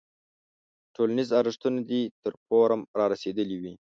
ټولنیز ارزښتونه دې تر فورم رارسېدلی وي.